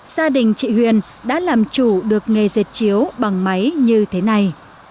gia đình chị huyền đã làm chủ được nghề dệt chiếu bằng máy như thế này